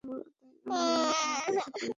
তাই আমি আর দ্বিধা করতে পারিনি।